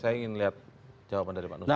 saya ingin lihat jawaban dari pak nusir